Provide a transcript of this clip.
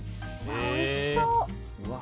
おいしそう！